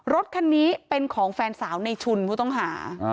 รถคันนี้เป็นของแฟนสาวในชุนผู้ต้องหา